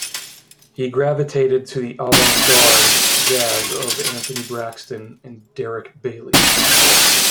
He gravitated to the avant-garde jazz of Anthony Braxton and Derek Bailey.